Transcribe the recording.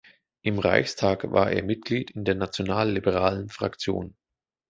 Im Reichstag war er Mitglied in der nationalliberalen Fraktion.